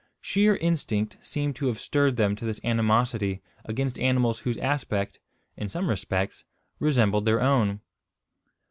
Sheer instinct seemed to have stirred them to this animosity against animals whose aspect, in some respects, resembled their own.